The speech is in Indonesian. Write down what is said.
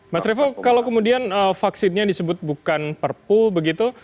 mas revo kalau kemudian vaksinnya disebut bukan perpu begitu